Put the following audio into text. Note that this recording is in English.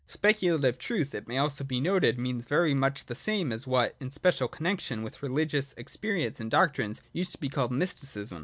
Speculative truth, it may also be noted, means very much the same as what, in special connexion with religious ex perience and doctrines, used to be called Mj^sticism.